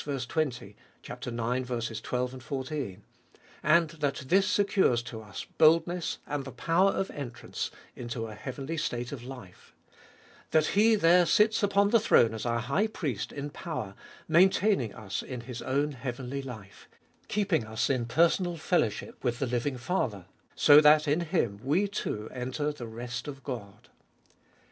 20, ix. 12, 14), and that this secures to us boldness and the power of entrance into a heavenly state of life; that He there sits upon the throne as our High Priest in power, maintaining in us His own heavenly life ; keep ing us in personal fellowship with the living Father, so that in Him we too enter the rest of God.